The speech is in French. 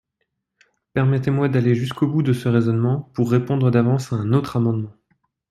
Permettez-moi d’aller jusqu’au bout de ce raisonnement, pour répondre d’avance à un autre amendement.